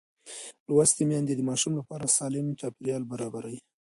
لوستې میندې د ماشوم لپاره سالم چاپېریال برابروي.